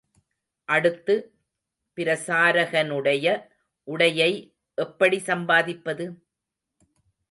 அடுத்து, பிரசாரகனுடைய உடையை எப்படி சம்பாதிப்பது?